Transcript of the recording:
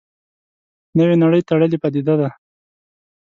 نوې نړۍ تړلې پدیده ده.